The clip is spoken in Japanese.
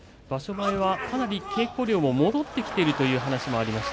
前は稽古量もかなり戻ってきているという話もありました。